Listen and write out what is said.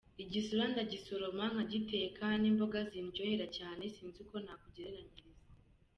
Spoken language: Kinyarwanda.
Igisura ndagisoroma nkagiteka, ni imboga zindyohera cyane sinzi uko nakugereranyiriza.